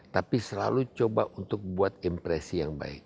tapi selalu coba untuk buat impresi yang baik